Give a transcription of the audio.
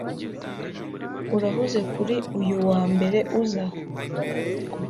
Urahuze kuri uyu wa mbere uza?